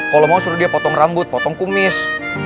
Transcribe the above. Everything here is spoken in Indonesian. kalau mau suruh dia potong rambut potong kumis